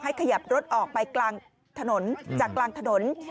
มาบอกให้ขยับรถออกไปกลางถนนจากกลางถนน